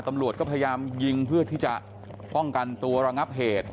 ตำรวจก็พยายามยิงเพื่อที่จะป้องกันตัวระงับเหตุ